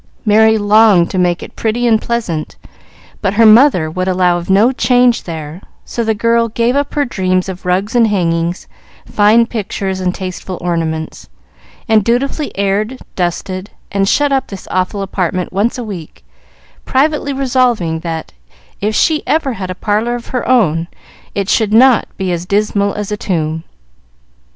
Merry longed to make it pretty and pleasant, but her mother would allow of no change there, so the girl gave up her dreams of rugs and hangings, fine pictures and tasteful ornaments, and dutifully aired, dusted, and shut up this awful apartment once a week, privately resolving that, if she ever had a parlor of her own, it should not be as dismal as a tomb.